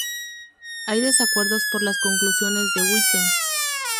Hay desacuerdos por las conclusiones de Witten.